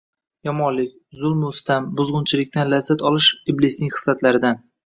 Yomonlik, zulmu sitam, buzgʻunchilikdan lazzat olish iblisning xislatlaridan